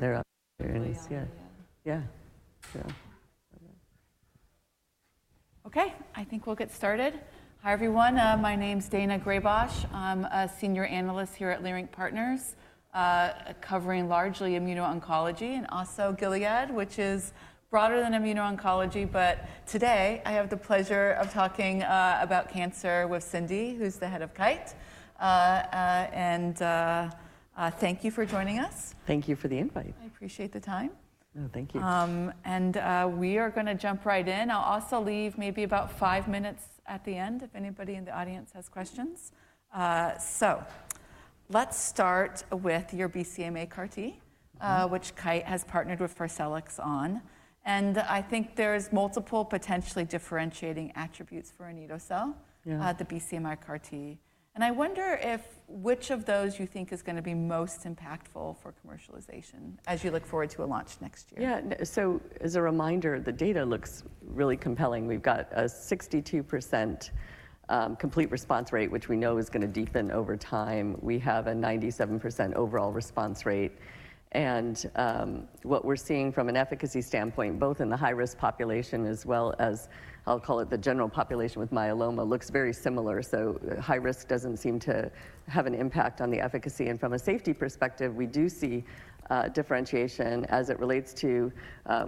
There are experience. Yeah. Yeah. Sure. Okay. I think we'll get started. Hi, everyone. My name's Daina Graybosch. I'm a senior analyst here at Leerink Partners, covering largely immuno-oncology and also Gilead, which is broader than immuno-oncology. Today I have the pleasure of talking about cancer with Cindy, who's the head of Kite. Thank you for joining us. Thank you for the invite. I appreciate the time. No, thank you. We are going to jump right in. I'll also leave maybe about five minutes at the end if anybody in the audience has questions. Let's start with your BCMA CAR-T, which Kite has partnered with Arcellx on. I think there are multiple potentially differentiating attributes for anito-cel at the BCMA CAR-T. I wonder which of those you think is going to be most impactful for commercialization as you look forward to a launch next year. Yeah. As a reminder, the data looks really compelling. We've got a 62% complete response rate, which we know is going to deepen over time. We have a 97% overall response rate. What we're seeing from an efficacy standpoint, both in the high-risk population as well as, I'll call it, the general population with myeloma, looks very similar. High risk doesn't seem to have an impact on the efficacy. From a safety perspective, we do see differentiation as it relates to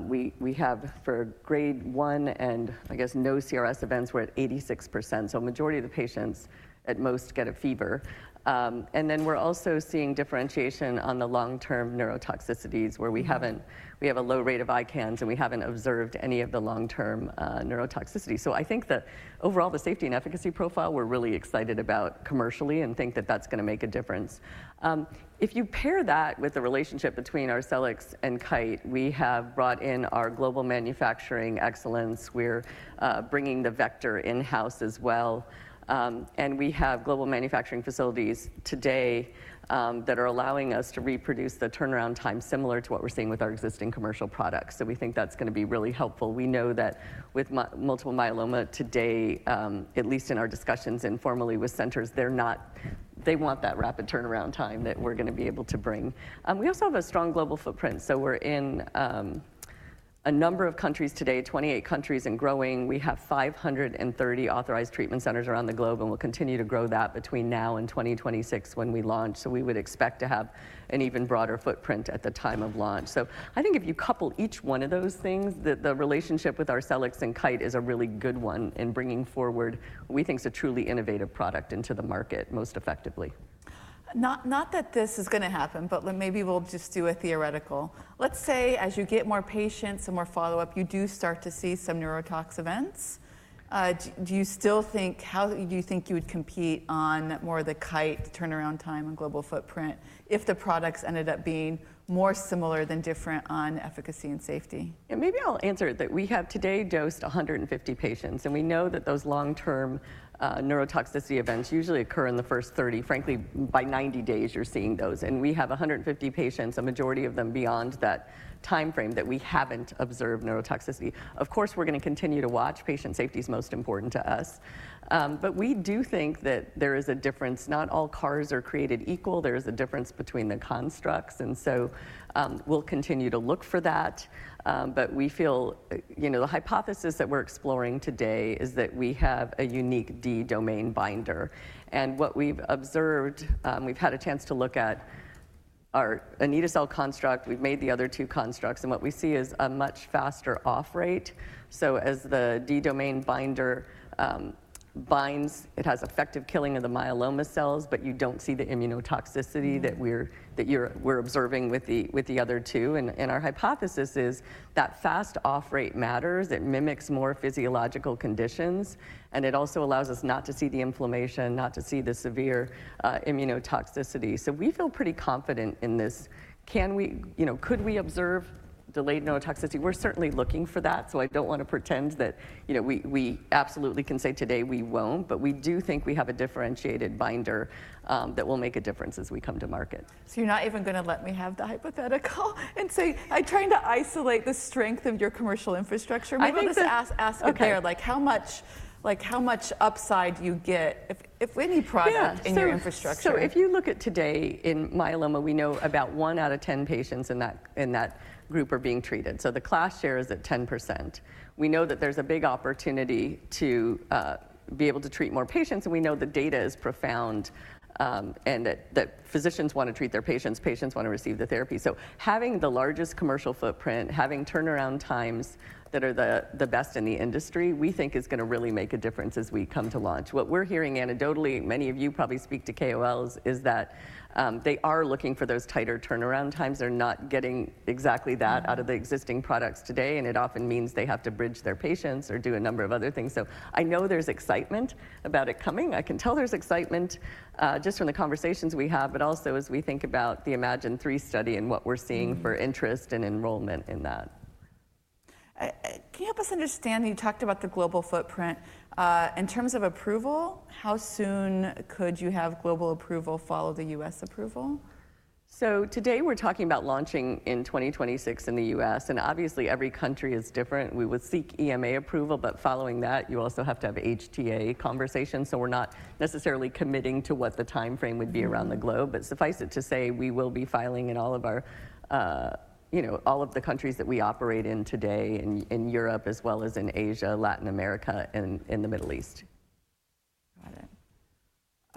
we have for grade one and I guess no CRS events were at 86%. A majority of the patients at most get a fever. We're also seeing differentiation on the long-term neurotoxicities where we have a low rate of ICANS and we haven't observed any of the long-term neurotoxicity. I think that overall the safety and efficacy profile we're really excited about commercially and think that that's going to make a difference. If you pair that with the relationship between Arcellx and Kite, we have brought in our global manufacturing excellence. We're bringing the vector in-house as well. We have global manufacturing facilities today that are allowing us to reproduce the turnaround time similar to what we're seeing with our existing commercial products. We think that's going to be really helpful. We know that with multiple myeloma today, at least in our discussions informally with centers, they want that rapid turnaround time that we're going to be able to bring. We also have a strong global footprint. We're in a number of countries today, 28 countries and growing. We have 530 authorized treatment centers around the globe and we'll continue to grow that between now and 2026 when we launch. We would expect to have an even broader footprint at the time of launch. I think if you couple each one of those things, the relationship with Arcellx and Kite is a really good one in bringing forward what we think is a truly innovative product into the market most effectively. Not that this is going to happen, but maybe we'll just do a theoretical. Let's say as you get more patients and more follow-up, you do start to see some neurotox events. Do you still think, how do you think you would compete on more of the Kite turnaround time and global footprint if the products ended up being more similar than different on efficacy and safety? Maybe I'll answer it that we have today dosed 150 patients. We know that those long-term neurotoxicity events usually occur in the first 30. Frankly, by 90 days you're seeing those. We have 150 patients, a majority of them beyond that time frame that we haven't observed neurotoxicity. Of course, we're going to continue to watch. Patient safety is most important to us. We do think that there is a difference. Not all CARs are created equal. There is a difference between the constructs. We'll continue to look for that. We feel the hypothesis that we're exploring today is that we have a unique D-domain binder. What we've observed, we've had a chance to look at our anito-cel construct. We've made the other two constructs. What we see is a much faster off-rate. As the D-domain binder binds, it has effective killing of the myeloma cells, but you do not see the immunotoxicity that we are observing with the other two. Our hypothesis is that fast off-rate matters. It mimics more physiological conditions. It also allows us not to see the inflammation, not to see the severe immunotoxicity. We feel pretty confident in this. Can we, could we observe delayed neurotoxicity? We are certainly looking for that. I do not want to pretend that we absolutely can say today we will not. We do think we have a differentiated binder that will make a difference as we come to market. You're not even going to let me have the hypothetical and say I trying to isolate the strength of your commercial infrastructure. I think. I'm just asking there like how much upside you get if any product in your infrastructure. Yeah. If you look at today in myeloma, we know about one out of 10 patients in that group are being treated. The class share is at 10%. We know that there's a big opportunity to be able to treat more patients. We know the data is profound and that physicians want to treat their patients. Patients want to receive the therapy. Having the largest commercial footprint, having turnaround times that are the best in the industry, we think is going to really make a difference as we come to launch. What we're hearing anecdotally, many of you probably speak to KOLs, is that they are looking for those tighter turnaround times. They're not getting exactly that out of the existing products today. It often means they have to bridge their patients or do a number of other things. I know there's excitement about it coming. I can tell there's excitement just from the conversations we have, but also as we think about the iMMagine-3 study and what we're seeing for interest and enrollment in that. Can you help us understand? You talked about the global footprint. In terms of approval, how soon could you have global approval follow the U.S. approval? Today we're talking about launching in 2026 in the U.S. Obviously every country is different. We would seek EMA approval. Following that, you also have to have HTA conversations. We're not necessarily committing to what the time frame would be around the globe. Suffice it to say we will be filing in all of the countries that we operate in today in Europe as well as in Asia, Latin America, and in the Middle East. Got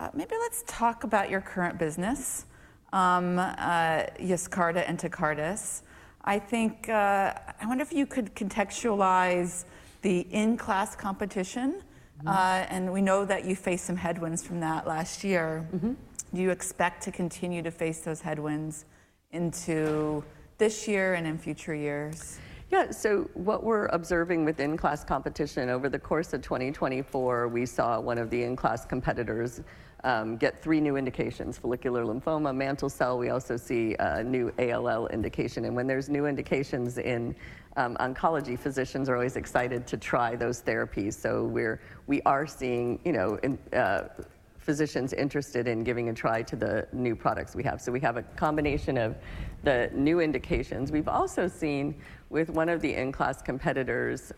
it. Maybe let's talk about your current business, Yescarta and Tecartus. I think I wonder if you could contextualize the in-class competition. We know that you faced some headwinds from that last year. Do you expect to continue to face those headwinds into this year and in future years? Yeah. What we're observing with in-class competition over the course of 2024, we saw one of the in-class competitors get three new indications: follicular lymphoma, mantle cell. We also see a new ALL indication. When there's new indications in oncology, physicians are always excited to try those therapies. We are seeing physicians interested in giving a try to the new products we have. We have a combination of the new indications. We've also seen with one of the in-class competitors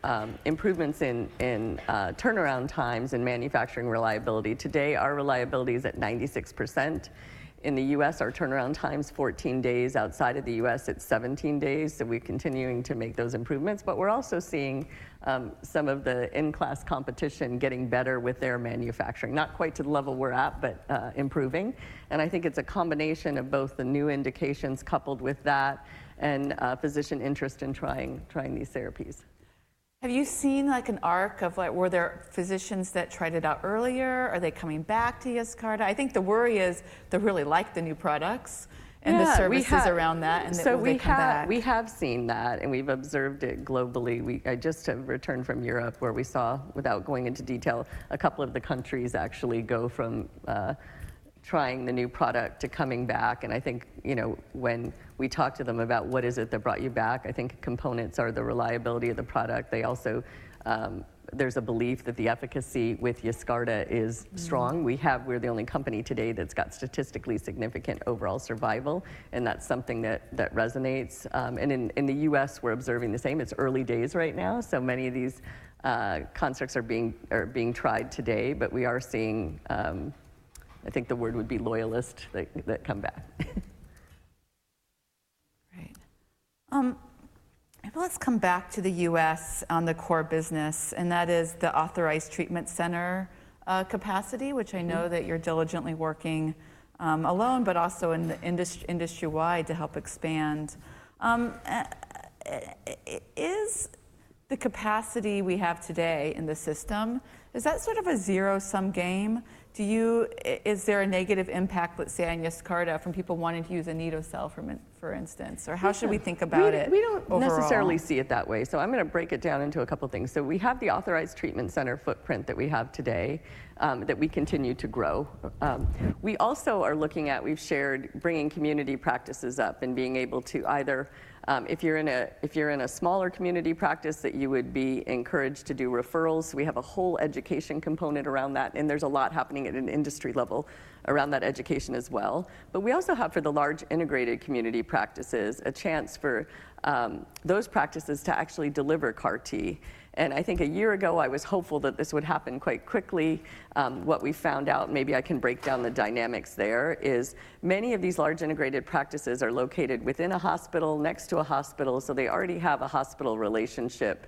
improvements in turnaround times and manufacturing reliability. Today our reliability is at 96%. In the U.S., our turnaround time is 14 days. Outside of the U.S., it's 17 days. We are continuing to make those improvements. We are also seeing some of the in-class competition getting better with their manufacturing. Not quite to the level we're at, but improving. I think it's a combination of both the new indications coupled with that and physician interest in trying these therapies. Have you seen like an arc of like were there physicians that tried it out earlier? Are they coming back to Yescarta? I think the worry is they really like the new products and the services around that. And then we have that. We have seen that. We have observed it globally. I just returned from Europe where we saw, without going into detail, a couple of the countries actually go from trying the new product to coming back. I think when we talk to them about what is it that brought you back, I think components are the reliability of the product. There is also a belief that the efficacy with Yescarta is strong. We are the only company today that has statistically significant overall survival. That is something that resonates. In the U.S., we are observing the same. It is early days right now. Many of these constructs are being tried today. We are seeing, I think the word would be loyalist, that come back. Right. Let's come back to the U.S. on the core business. That is the Authorized Treatment Center capacity, which I know that you're diligently working alone, but also industry-wide to help expand. Is the capacity we have today in the system, is that sort of a zero-sum game? Do you, is there a negative impact, let's say, on Yescarta from people wanting to use an Anito-cel, for instance? Or how should we think about it? We don't necessarily see it that way. I'm going to break it down into a couple of things. We have the authorized treatment center footprint that we have today that we continue to grow. We also are looking at, we've shared, bringing community practices up and being able to either, if you're in a smaller community practice, that you would be encouraged to do referrals. We have a whole education component around that. There's a lot happening at an industry level around that education as well. We also have, for the large integrated community practices, a chance for those practices to actually deliver CAR-T. I think a year ago I was hopeful that this would happen quite quickly. What we found out, maybe I can break down the dynamics there, is many of these large integrated practices are located within a hospital, next to a hospital. They already have a hospital relationship.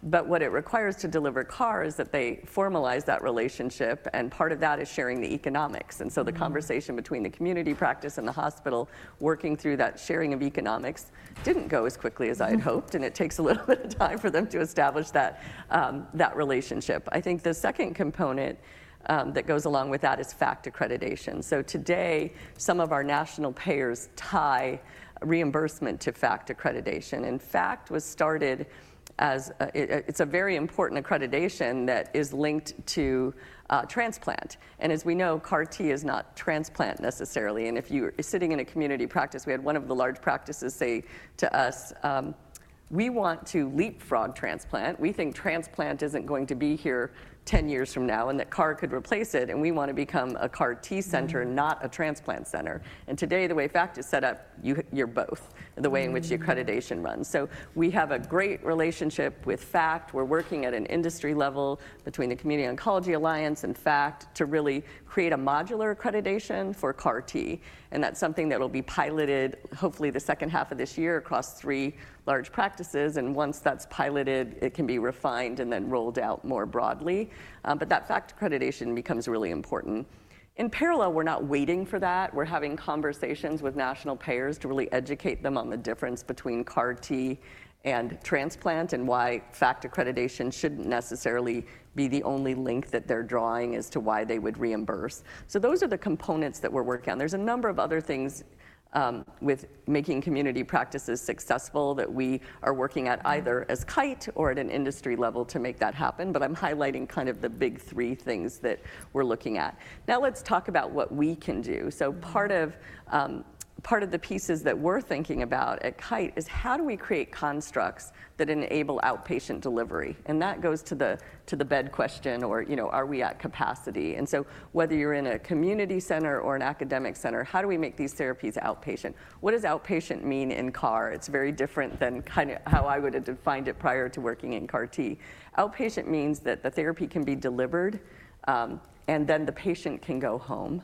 What it requires to deliver CAR is that they formalize that relationship. Part of that is sharing the economics. The conversation between the community practice and the hospital working through that sharing of economics did not go as quickly as I had hoped. It takes a little bit of time for them to establish that relationship. I think the second component that goes along with that is FACT accreditation. Today some of our national payers tie reimbursement to FACT accreditation. FACT was started as a very important accreditation that is linked to transplant. As we know, CAR-T is not transplant necessarily. If you're sitting in a community practice, we had one of the large practices say to us, we want to leapfrog transplant. We think transplant isn't going to be here 10 years from now and that CAR could replace it. We want to become a CAR-T center, not a transplant center. Today the way FACT is set up, you're both the way in which the accreditation runs. We have a great relationship with FACT. We're working at an industry level between the Community Oncology Alliance and FACT to really create a modular accreditation for CAR-T. That's something that will be piloted hopefully the second half of this year across three large practices. Once that's piloted, it can be refined and then rolled out more broadly. That FACT accreditation becomes really important. In parallel, we're not waiting for that. We're having conversations with national payers to really educate them on the difference between CAR-T and transplant and why FACT accreditation shouldn't necessarily be the only link that they're drawing as to why they would reimburse. Those are the components that we're working on. There's a number of other things with making community practices successful that we are working at either as Kite or at an industry level to make that happen. I'm highlighting kind of the big three things that we're looking at. Now let's talk about what we can do. Part of the pieces that we're thinking about at Kite is how do we create constructs that enable outpatient delivery? That goes to the bed question or are we at capacity? Whether you're in a community center or an academic center, how do we make these therapies outpatient? What does outpatient mean in CAR? It's very different than kind of how I would have defined it prior to working in CAR-T. Outpatient means that the therapy can be delivered and then the patient can go home.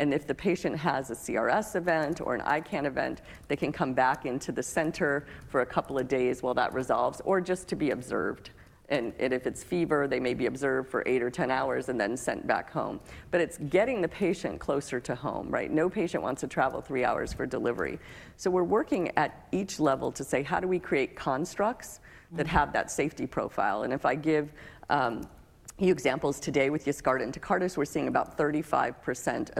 If the patient has a CRS event or an ICANS event, they can come back into the center for a couple of days while that resolves or just to be observed. If it's fever, they may be observed for eight or 10 hours and then sent back home. It's getting the patient closer to home, right? No patient wants to travel three hours for delivery. We're working at each level to say how do we create constructs that have that safety profile. If I give you examples today with Yescarta and Tecartus, we're seeing about 35%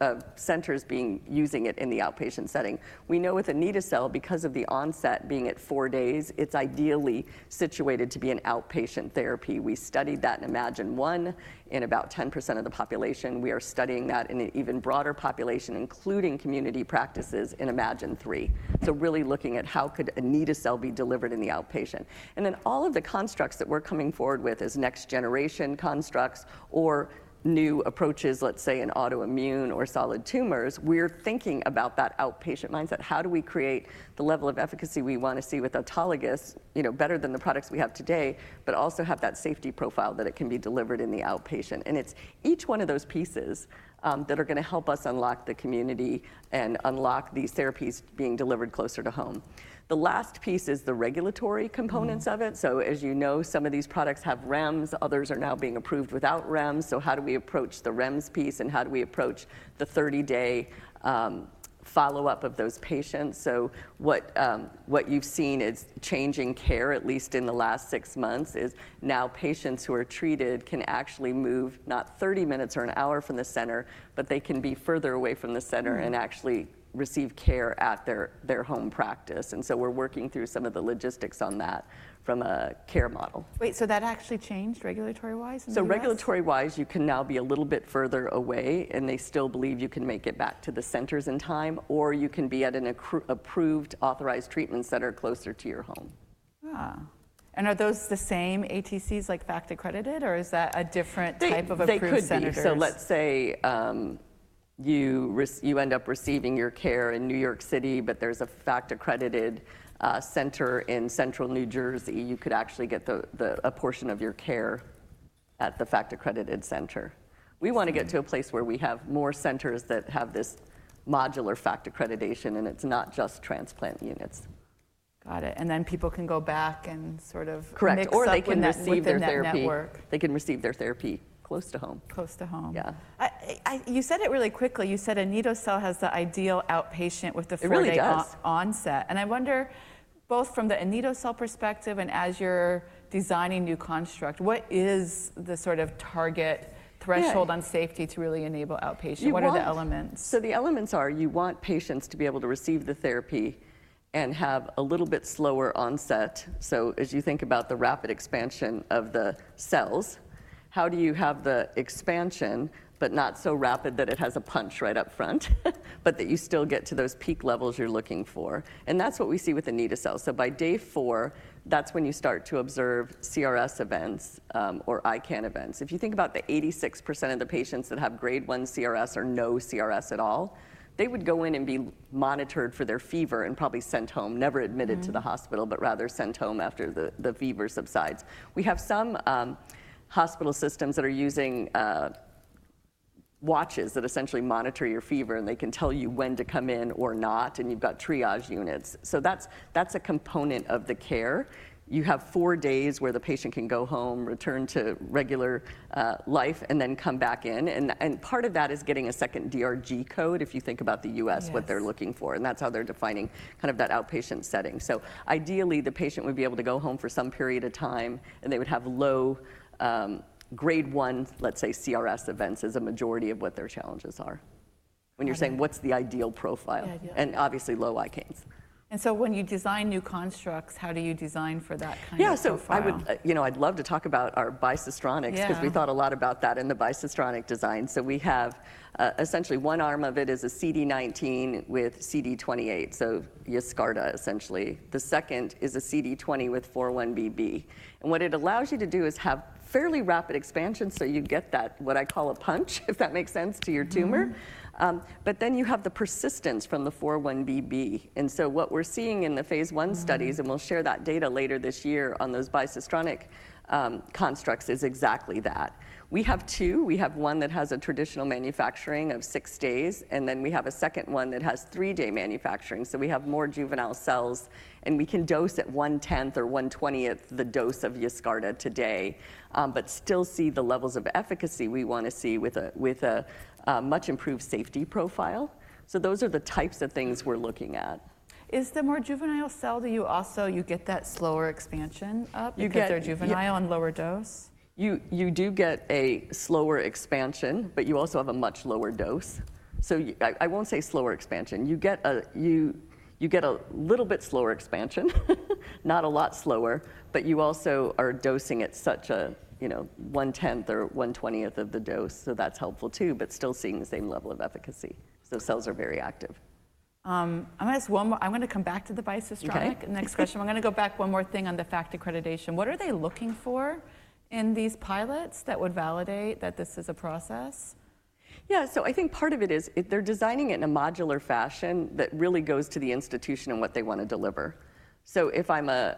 of centers being using it in the outpatient setting. We know with an anito-cel, because of the onset being at four days, it's ideally situated to be an outpatient therapy. We studied that in iMMagine-1 in about 10% of the population. We are studying that in an even broader population, including community practices in iMMagine-3. Really looking at how could an anito-cel be delivered in the outpatient. All of the constructs that we're coming forward with as next generation constructs or new approaches, let's say in autoimmune or solid tumors, we're thinking about that outpatient mindset. How do we create the level of efficacy we want to see with autologous better than the products we have today, but also have that safety profile that it can be delivered in the outpatient? It is each one of those pieces that are going to help us unlock the community and unlock these therapies being delivered closer to home. The last piece is the regulatory components of it. As you know, some of these products have REMS. Others are now being approved without REMS. How do we approach the REMS piece and how do we approach the 30-day follow-up of those patients? What you have seen is changing care, at least in the last six months, is now patients who are treated can actually move not 30 minutes or an hour from the center, but they can be further away from the center and actually receive care at their home practice. We are working through some of the logistics on that from a care model. Wait, so that actually changed regulatory-wise? Regulatory-wise, you can now be a little bit further away. They still believe you can make it back to the centers in time. Or you can be at an approved authorized treatment center closer to your home. Are those the same ATCs like FACT accredited? Or is that a different type of approved center? They could be. Let's say you end up receiving your care in New York City, but there's a FACT accredited center in Central New Jersey. You could actually get a portion of your care at the FACT accredited center. We want to get to a place where we have more centers that have this modular FACT accreditation. It's not just transplant units. Got it. People can go back and sort of. Correct. They can receive their therapy. They can receive their therapy close to home. Close to home. Yeah. You said it really quickly. You said Anito-cel has the ideal outpatient with the first onset. It really does. I wonder both from the anito-cel perspective and as you're designing new constructs, what is the sort of target threshold on safety to really enable outpatient? What are the elements? The elements are you want patients to be able to receive the therapy and have a little bit slower onset. As you think about the rapid expansion of the cells, how do you have the expansion, but not so rapid that it has a punch right up front, but that you still get to those peak levels you're looking for? That is what we see with anito-cel. By day four, that is when you start to observe CRS events or ICANS events. If you think about the 86% of the patients that have grade 1 CRS or no CRS at all, they would go in and be monitored for their fever and probably sent home, never admitted to the hospital, but rather sent home after the fever subsides. We have some hospital systems that are using watches that essentially monitor your fever. They can tell you when to come in or not. You have triage units. That is a component of the care. You have four days where the patient can go home, return to regular life, and then come back in. Part of that is getting a second DRG code if you think about the U.S., what they are looking for. That is how they are defining kind of that outpatient setting. Ideally, the patient would be able to go home for some period of time. They would have low grade 1, let's say, CRS events as a majority of what their challenges are when you are saying what is the ideal profile. Obviously low ICANS. When you design new constructs, how do you design for that kind of profile? Yeah. I’d love to talk about our bispecifics because we thought a lot about that in the bispecific design. We have essentially one arm of it is a CD19 with CD28, so Yescarta, essentially. The second is a CD20 with 4-1BB. What it allows you to do is have fairly rapid expansion, so you get that what I call a punch, if that makes sense, to your tumor. Then you have the persistence from the 4-1BB. What we’re seeing in the phase one studies, and we’ll share that data later this year on those bispecific constructs, is exactly that. We have two. We have one that has a traditional manufacturing of six days. Then we have a second one that has three-day manufacturing, so we have more juvenile cells. We can dose at one-tenth or one-twentieth the dose of Yescarta today, but still see the levels of efficacy we want to see with a much improved safety profile. Those are the types of things we're looking at. Is the more juvenile cell, do you also get that slower expansion up? You get their juvenile on lower dose? You do get a slower expansion, but you also have a much lower dose. I won't say slower expansion. You get a little bit slower expansion, not a lot slower. You also are dosing at such a 1/10 or 1/20 of the dose. That is helpful too, still seeing the same level of efficacy. Cells are very active. I'm going to come back to the bispecific next question. I'm going to go back one more thing on the FACT accreditation. What are they looking for in these pilots that would validate that this is a process? Yeah. I think part of it is they're designing it in a modular fashion that really goes to the institution and what they want to deliver. If I'm an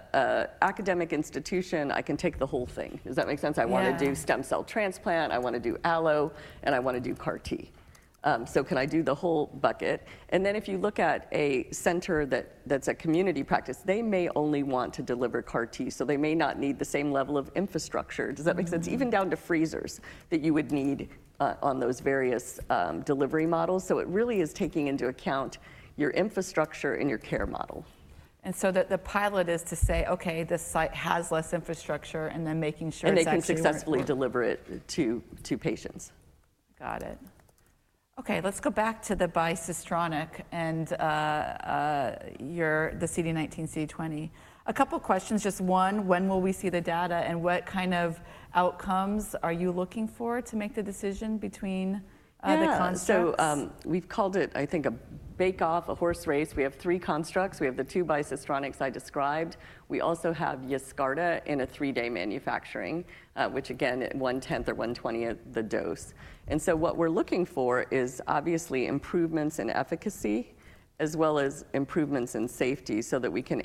academic institution, I can take the whole thing. Does that make sense? I want to do stem cell transplant. I want to do allo. I want to do CAR-T. Can I do the whole bucket? If you look at a center that's a community practice, they may only want to deliver CAR-T. They may not need the same level of infrastructure. Does that make sense? Even down to freezers that you would need on those various delivery models. It really is taking into account your infrastructure and your care model. The pilot is to say, OK, this site has less infrastructure. And then making sure that. They can successfully deliver it to patients. Got it. OK, let's go back to the bicistronic and the CD19, CD20. A couple of questions. Just one, when will we see the data? And what kind of outcomes are you looking for to make the decision between the constructs? Yeah. We have called it, I think, a bake-off, a horse race. We have three constructs. We have the two bispecifics I described. We also have Yescarta in a three-day manufacturing, which again, one-tenth or one-twentieth of the dose. What we are looking for is obviously improvements in efficacy as well as improvements in safety so that we can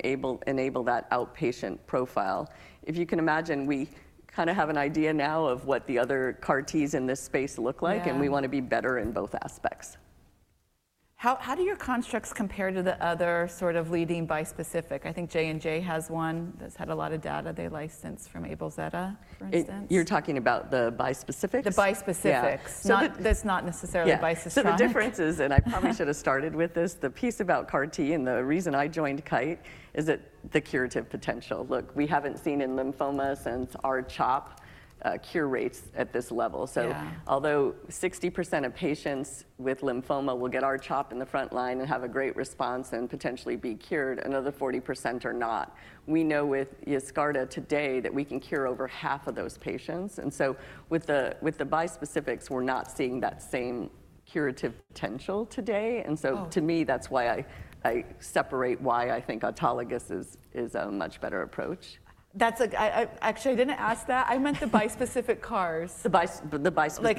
enable that outpatient profile. If you can imagine, we kind of have an idea now of what the other CAR-Ts in this space look like. We want to be better in both aspects. How do your constructs compare to the other sort of leading bispecific? I think J&J has one that's had a lot of data. They licensed from Legend Biotech, for instance. You're talking about the bispecifics? The bispecifics. That's not necessarily bicistronic. The difference is, and I probably should have started with this, the piece about CAR-T and the reason I joined Kite is the curative potential. Look, we have not seen in lymphoma since R-CHOP cures at this level. Although 60% of patients with lymphoma will get R-CHOP in the front line and have a great response and potentially be cured, another 40% are not. We know with Yescarta today that we can cure over half of those patients. With the bispecifics, we are not seeing that same curative potential today. To me, that is why I separate why I think autologous is a much better approach. Actually, I didn't ask that. I meant the bispecific CARs. The bispecific CAR-Ts. Like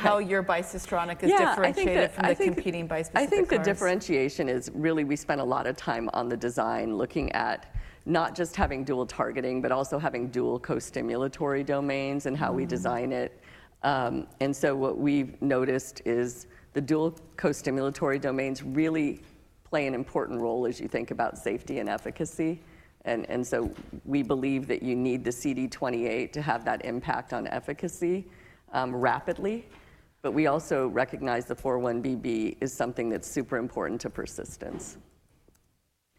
how your bispecific is differentiated from the competing bispecific CARs. I think the differentiation is really we spent a lot of time on the design looking at not just having dual targeting, but also having dual co-stimulatory domains and how we design it. What we've noticed is the dual co-stimulatory domains really play an important role as you think about safety and efficacy. We believe that you need the CD28 to have that impact on efficacy rapidly. We also recognize the 4-1BB is something that's super important to persistence.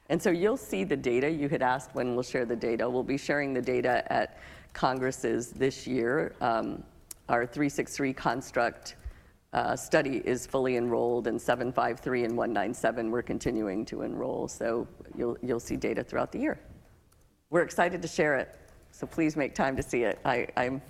You'll see the data. You had asked when we'll share the data. We'll be sharing the data at Congresses this year. Our 363 construct study is fully enrolled in 753 and 197. We're continuing to enroll. You'll see data throughout the year. We're excited to share it. Please make time to see it. I'm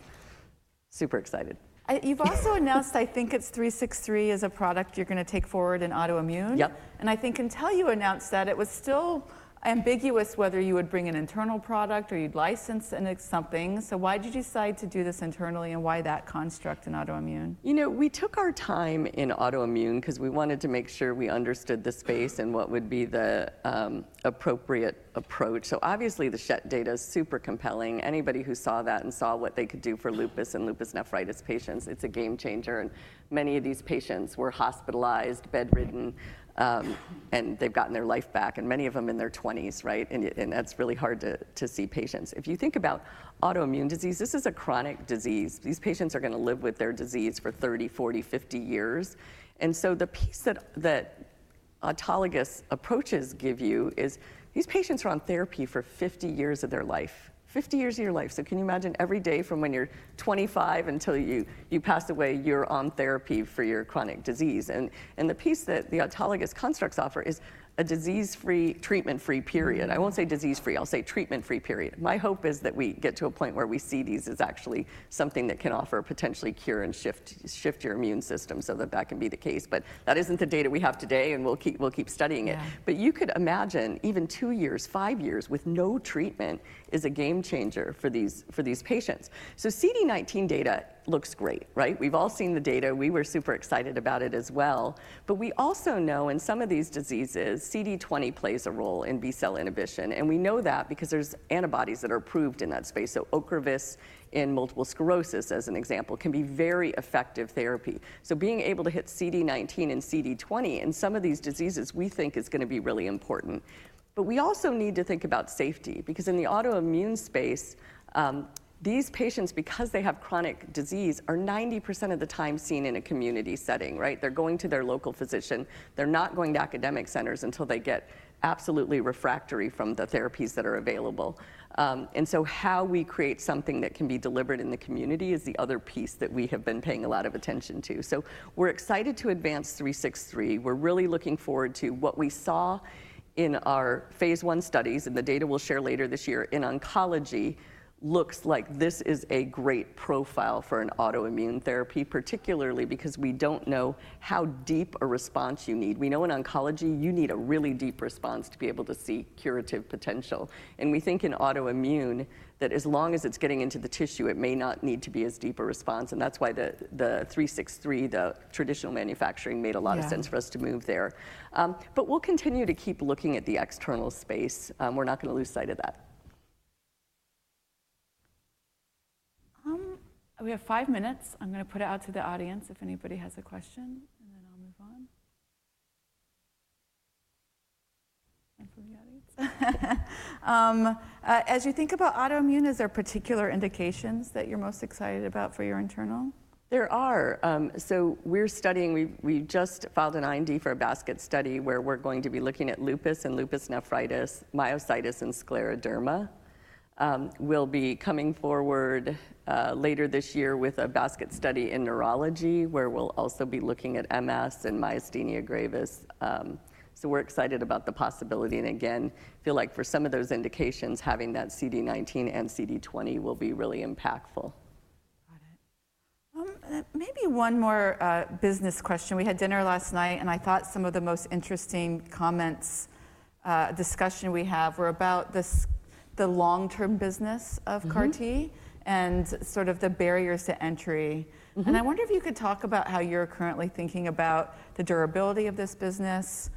super excited. You've also announced, I think it's KITE-363 is a product you're going to take forward in autoimmune. Yep. I think until you announced that, it was still ambiguous whether you would bring an internal product or you'd license something. Why did you decide to do this internally and why that construct in autoimmune? You know, we took our time in autoimmune because we wanted to make sure we understood the space and what would be the appropriate approach. Obviously, the Schett data is super compelling. Anybody who saw that and saw what they could do for lupus and lupus nephritis patients, it's a game changer. Many of these patients were hospitalized, bedridden. They have gotten their life back. Many of them in their 20s, right? That is really hard to see patients. If you think about autoimmune disease, this is a chronic disease. These patients are going to live with their disease for 30, 40, 50 years. The piece that autologous approaches give you is these patients are on therapy for 50 years of their life, 50 years of your life. Can you imagine every day from when you're 25 until you pass away, you're on therapy for your chronic disease? The piece that the autologous constructs offer is a disease-free, treatment-free period. I won't say disease-free. I'll say treatment-free period. My hope is that we get to a point where we see these as actually something that can offer potentially cure and shift your immune system so that that can be the case. That isn't the data we have today. We'll keep studying it. You could imagine even two years, five years with no treatment is a game changer for these patients. CD19 data looks great, right? We've all seen the data. We were super excited about it as well. We also know in some of these diseases, CD20 plays a role in B-cell inhibition. We know that because there's antibodies that are approved in that space. Ocrevus in multiple sclerosis, as an example, can be very effective therapy. Being able to hit CD19 and CD20 in some of these diseases we think is going to be really important. We also need to think about safety because in the autoimmune space, these patients, because they have chronic disease, are 90% of the time seen in a community setting, right? They're going to their local physician. They're not going to academic centers until they get absolutely refractory from the therapies that are available. How we create something that can be delivered in the community is the other piece that we have been paying a lot of attention to. We're excited to advance 363. We're really looking forward to what we saw in our phase one studies. The data we'll share later this year in oncology looks like this is a great profile for an autoimmune therapy, particularly because we don't know how deep a response you need. We know in oncology you need a really deep response to be able to see curative potential. We think in autoimmune that as long as it's getting into the tissue, it may not need to be as deep a response. That is why the 363, the traditional manufacturing, made a lot of sense for us to move there. We will continue to keep looking at the external space. We're not going to lose sight of that. We have five minutes. I'm going to put it out to the audience if anybody has a question. I'll move on. For the audience, as you think about autoimmune, is there particular indications that you're most excited about for your internal? There are. We're studying. We just filed an IND for a basket study where we're going to be looking at lupus and lupus nephritis, myositis, and scleroderma. We'll be coming forward later this year with a basket study in neurology where we'll also be looking at MS and myasthenia gravis. We're excited about the possibility. Again, I feel like for some of those indications, having that CD19 and CD20 will be really impactful. Got it. Maybe one more business question. We had dinner last night. I thought some of the most interesting comments, discussion we had were about the long-term business of CAR-T and sort of the barriers to entry. I wonder if you could talk about how you're currently thinking about the durability of this business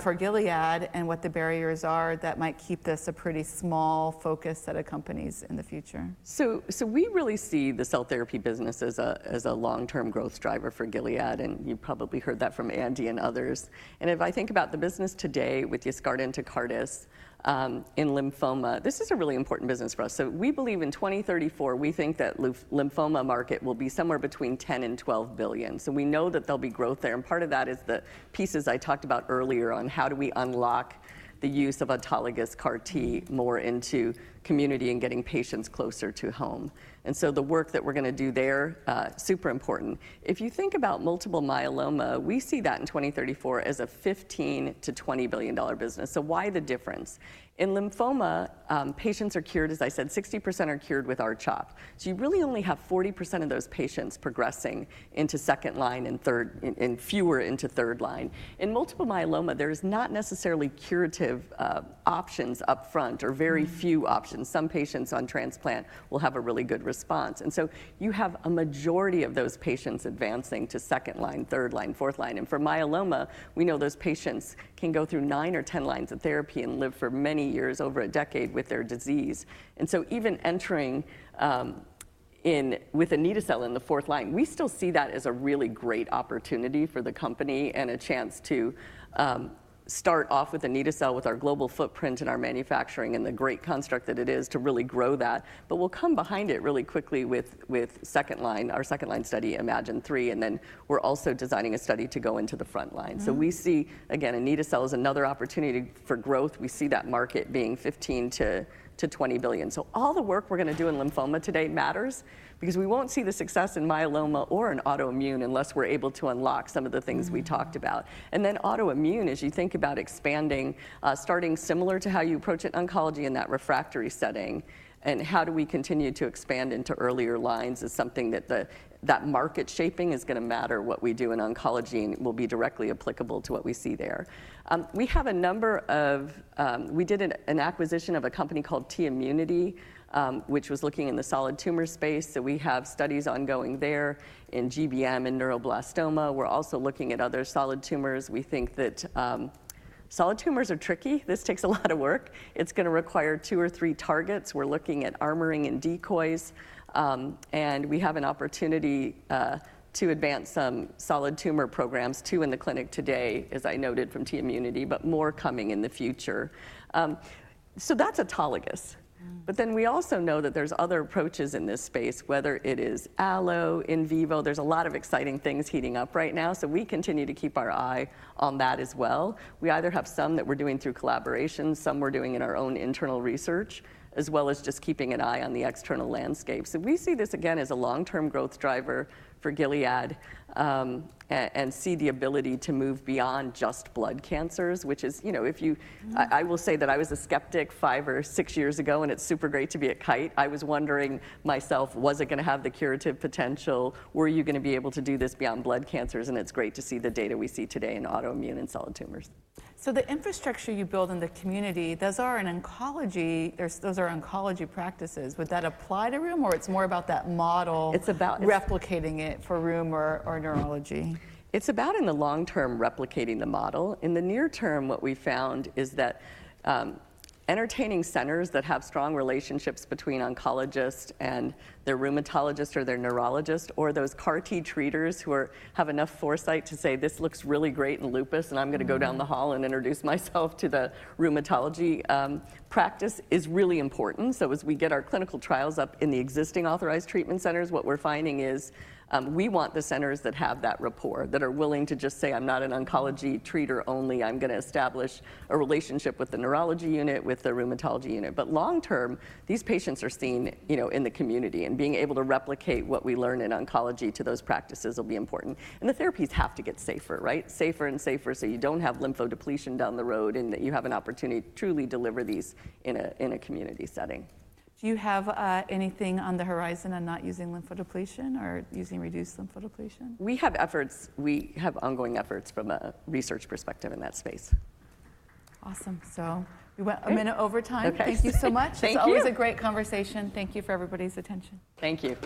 for Gilead and what the barriers are that might keep this a pretty small focus that accompanies in the future. We really see the cell therapy business as a long-term growth driver for Gilead. You've probably heard that from Andy and others. If I think about the business today with Yescarta and Tecartus in lymphoma, this is a really important business for us. We believe in 2034, we think that lymphoma market will be somewhere between $10 billion and $12 billion. We know that there will be growth there. Part of that is the pieces I talked about earlier on how do we unlock the use of autologous CAR-T more into community and getting patients closer to home. The work that we're going to do there, super important. If you think about multiple myeloma, we see that in 2034 as a $15 billion-$20 billion business. Why the difference? In lymphoma, patients are cured, as I said, 60% are cured with R-CHOP. You really only have 40% of those patients progressing into second line and fewer into third line. In multiple myeloma, there are not necessarily curative options upfront or very few options. Some patients on transplant will have a really good response. You have a majority of those patients advancing to second line, third line, fourth line. For myeloma, we know those patients can go through nine or 10 lines of therapy and live for many years, over a decade, with their disease. Even entering with Anito-cel in the fourth line, we still see that as a really great opportunity for the company and a chance to start off with Anito-cel with our global footprint and our manufacturing and the great construct that it is to really grow that. We will come behind it really quickly with our second line study, iMMagine-3. We're also designing a study to go into the front line. We see, again, Anito-cel is another opportunity for growth. We see that market being $15 billion-$20 billion. All the work we're going to do in lymphoma today matters because we won't see the success in myeloma or in autoimmune unless we're able to unlock some of the things we talked about. Autoimmune, as you think about expanding, starting similar to how you approach it in oncology in that refractory setting. How do we continue to expand into earlier lines is something that market shaping is going to matter, what we do in oncology and will be directly applicable to what we see there. We have a number of—we did an acquisition of a company called Tmunity Therapeutics, which was looking in the solid tumor space. We have studies ongoing there in GBM and neuroblastoma. We're also looking at other solid tumors. We think that solid tumors are tricky. This takes a lot of work. It's going to require two or three targets. We're looking at armoring and decoys. We have an opportunity to advance some solid tumor programs too in the clinic today, as I noted from Tmunity, but more coming in the future. That's autologous. We also know that there's other approaches in this space, whether it is allo in vivo. There's a lot of exciting things heating up right now. We continue to keep our eye on that as well. We either have some that we're doing through collaboration, some we're doing in our own internal research, as well as just keeping an eye on the external landscape. We see this again as a long-term growth driver for Gilead and see the ability to move beyond just blood cancers, which is, you know, if you I will say that I was a skeptic five or six years ago. It's super great to be at Kite. I was wondering myself, was it going to have the curative potential? Were you going to be able to do this beyond blood cancers? It's great to see the data we see today in autoimmune and solid tumors. The infrastructure you build in the community, those are in oncology. Those are oncology practices. Would that apply to Rheum? Or it's more about that model replicating it for Rheum or neurology? It's about in the long term replicating the model. In the near term, what we found is that entertaining centers that have strong relationships between oncologist and their rheumatologist or their neurologist or those CAR-T treaters who have enough foresight to say, this looks really great in lupus, and I'm going to go down the hall and introduce myself to the rheumatology practice is really important. As we get our clinical trials up in the existing authorized treatment centers, what we're finding is we want the centers that have that rapport, that are willing to just say, I'm not an oncology treater only. I'm going to establish a relationship with the neurology unit, with the rheumatology unit. Long term, these patients are seen in the community. Being able to replicate what we learn in oncology to those practices will be important. The therapies have to get safer, right? Safer and safer so you do not have lymphodepletion down the road and that you have an opportunity to truly deliver these in a community setting. Do you have anything on the horizon on not using lymphodepletion or using reduced lymphodepletion? We have ongoing efforts from a research perspective in that space. Awesome. We went a minute over time. Thank you so much. Thank you. It's always a great conversation. Thank you for everybody's attention. Thank you.